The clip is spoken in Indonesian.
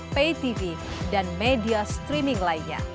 paytv dan media streaming lainnya